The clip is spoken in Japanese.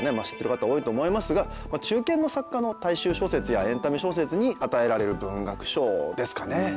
知ってる方多いと思いますが中堅の作家の大衆小説やエンタメ小説に与えられる文学賞ですかね。